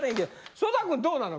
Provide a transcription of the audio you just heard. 曽田君どうなの？